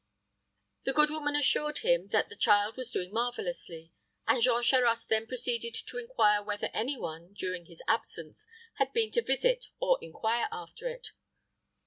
The good woman assured him that the child was doing marvelously, and Jean Charost then proceeded to inquire whether any one, during his absence, had been to visit or inquire after it.